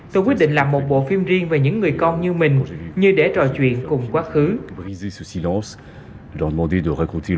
tôi quyết định làm một bộ phim riêng về những người con như mình như để trò chuyện cùng quá khứ